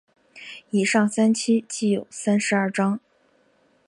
以上三期计有三十二章。